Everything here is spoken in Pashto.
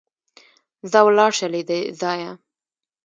ځه ولاړ شه له دې ځايه!